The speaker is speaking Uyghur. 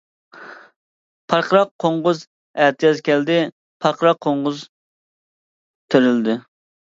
پارقىراق قوڭغۇز ئەتىياز كەلدى، پارقىراق قوڭغۇز تىرىلدى.